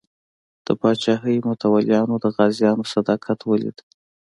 د پاچاهۍ متولیانو د غازیانو صداقت ولیدو.